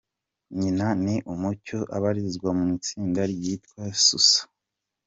Nyina ni Umucyo, abarizwa mu itsinda ryitwa Susa.